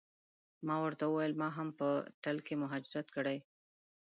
ما ورته وویل ما هم په ټل کې مهاجرت کړی.